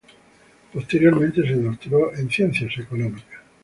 Posteriormente, se doctoró en Ciencias Económicas.